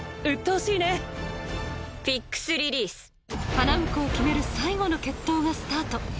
花婿を決める最後の決闘がスタート